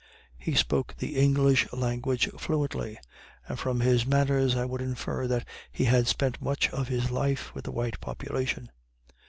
He spoke the English language fluently; and from his manners, I would infer that he had spent much of his life with the white population.